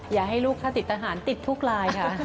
อย่าให้ลูกค่าติดทหารติดทุกรายค่ะ